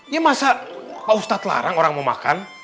ya masa pak ustadz larang orang mau makan